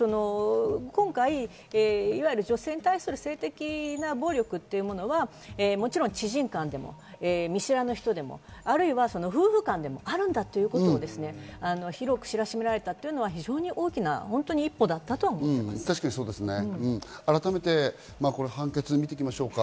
今回、女性に対する性的な暴力というのは、もちろん知人間でも、見知らぬ人でも、あるいは夫婦間でもあるんだということを広く知らしめられたということは大きな一歩だったと思っています。